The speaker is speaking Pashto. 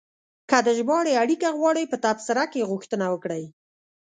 که د ژباړې اړیکه غواړئ، په تبصره کې غوښتنه وکړئ.